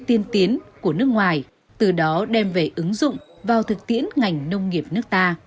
tiên tiến của nước ngoài từ đó đem về ứng dụng vào thực tiễn ngành nông nghiệp nước ta